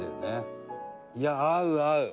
「いやあ合う合う！